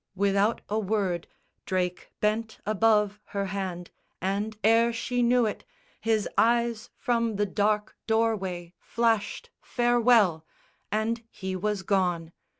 Without a word Drake bent above her hand and, ere she knew it, His eyes from the dark doorway flashed farewell And he was gone.